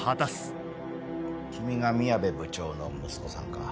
君が宮部部長の息子さんか。